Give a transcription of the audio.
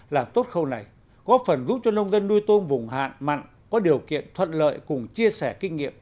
làm tốt khâu này góp phần giúp cho nông dân nuôi tôm vùng hạn mặn có điều kiện thuận lợi cùng chia sẻ kinh nghiệm